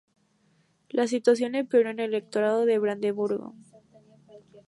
La situación empeoró en el Electorado de Brandeburgo.